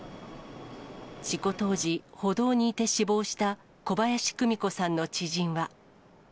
事故当時、歩道にいて死亡した小林久美子さんの知人は。